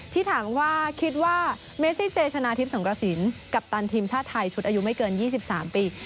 ที่ถามว่าคิดว่าเมซิเจชนะทิพย์สงกระสินกัปตันทีมชาติไทยชุดอายุไม่เกิน๒๓ปี